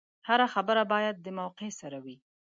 هره خبره باید د موقع سره وي.